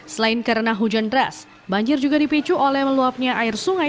selain karena hujan deras banjir juga dipicu oleh meluapnya air sungai